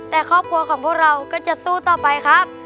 แต่ครอบครัวของพวกเราก็จะสู้ต่อไปครับ